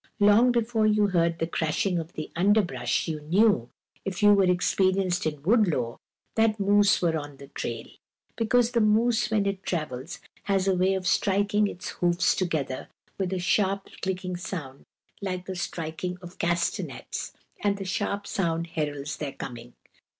Long before you heard the crashing of the underbrush you knew, if you were experienced in wood lore, that moose were on the trail, because the moose when it travels has a way of striking its hoofs together with a sharp, clicking sound like the striking of castanets, and the sharp sound heralds their coming.